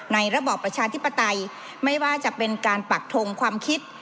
ระบอบประชาธิปไตยไม่ว่าจะเป็นการปักทงความคิด